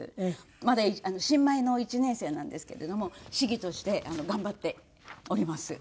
まだ新米の１年生なんですけれども市議として頑張っております。